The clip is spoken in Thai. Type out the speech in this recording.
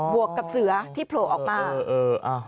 วกกับเสือที่โผล่ออกมา